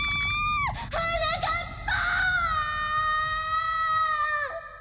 はなかっぱ！